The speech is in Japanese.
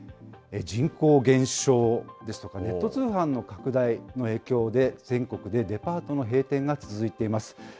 人口減少ですとか、ネット通販の拡大の影響で、全国でデパートの閉店が続いています。